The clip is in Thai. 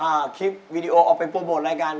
คลิปวีดีโอออกไปโปรโมทรายการ